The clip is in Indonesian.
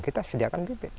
kita sediakan bibit